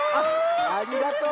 ありがとう。